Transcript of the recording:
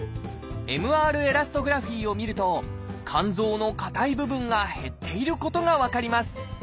ＭＲエラストグラフィを見ると肝臓の硬い部分が減っていることが分かります。